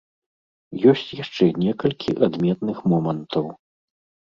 Ёсць яшчэ некалькі адметных момантаў.